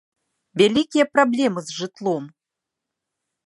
Вялікія праблемы з жытлом.